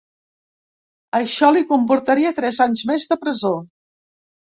Això li comportaria tres anys més de presó.